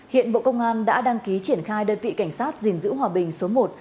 hiện bộ công an đã đăng ký triển khai đơn vị cảnh sát gìn giữ hòa bình số một